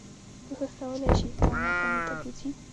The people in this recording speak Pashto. کوښښ کولی شي تا کاميابی ته بوځي